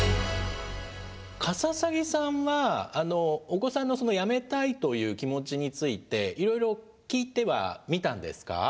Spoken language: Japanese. カササギさんはお子さんのやめたいという気持ちについていろいろ聞いてはみたんですか？